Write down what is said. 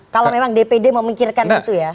kalau memang dpd memikirkan itu ya